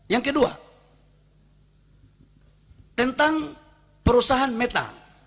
yang kedua tentang perusahaan meta